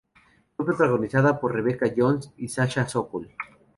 Fue protagonizada por Rebecca Jones y Sasha Sokol.